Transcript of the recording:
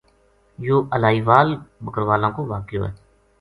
یوہ الائی وال بکروالاں کو واقعو